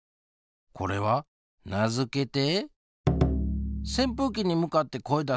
これは名付けて。